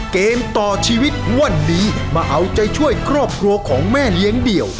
เกมต่อชีวิตวันนี้มาเอาใจช่วยครอบครัวของแม่เลี้ยงเดี่ยว